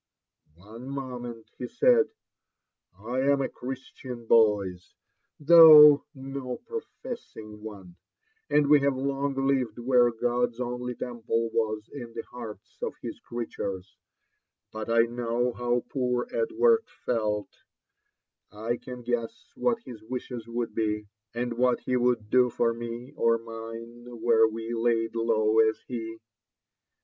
"One moment r* he said. "I am a Christian, boys, though no professing one, and we have long lived where God's only temple was in the hearts of his creatures ; but I know how poor Edward felt, — i can guess what his wishes would be, and what he would do for me or mine were we laid low as he."